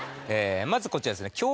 まずこちらですね。